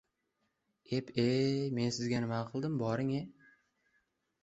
— Eb-ey, men sizga nima qildim? Boring-e!